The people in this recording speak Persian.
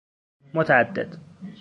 متعدد